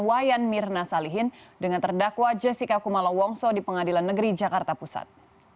wayan mirna salihin dengan terdakwa jessica kumala wongso di pengadilan negeri jakarta pusat